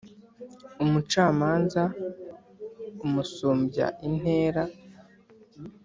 umucamanza umusumbya intera